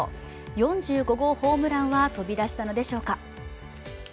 ４５号ホームランは飛び出したのでしょうか。